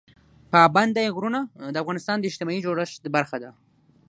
پابندی غرونه د افغانستان د اجتماعي جوړښت برخه ده.